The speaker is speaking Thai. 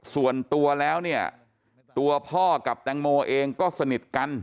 ส่วนตัวแล้วเนี่ยตัวพ่อกับแตงโมเองก็สนิทกัน